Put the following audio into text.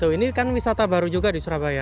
ini kan wisata baru juga di surabaya